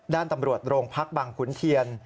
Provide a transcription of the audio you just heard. ด้านตำรวจโรงพักบางขุนเทียน